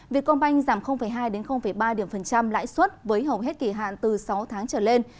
vietcombank giảm hai ba điểm phần trăm lãi suất với hầu hết kỳ hạn từ sáu tháng trở lên